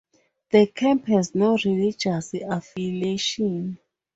The camp has no religious affiliation.